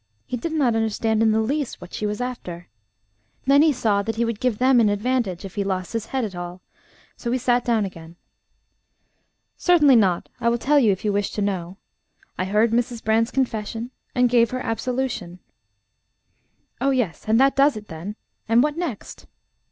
He did not understand in the least what she was after. Then he saw that he would give them an advantage if he lost his head at all: so he sat down again. "Certainly not. I will tell you if you wish to know. I heard Mrs. Brand's confession, and gave her absolution." "Oh! yes; and that does it, then? And what next?"